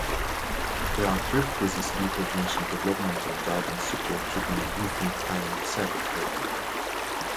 They are brief crisis intervention, developmental guidance-support treatment, and infant-parent psychotherapy.